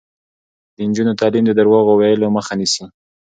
د نجونو تعلیم د درواغو ویلو مخه نیسي.